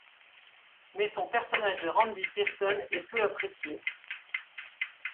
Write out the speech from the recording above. Mais son personnage de Randy Pearson est peu apprécié.